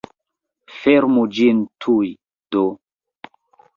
Fermu ĝin tuj, do!